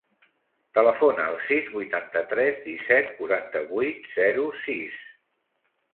Telefona al sis, vuitanta-tres, disset, quaranta-vuit, zero, sis.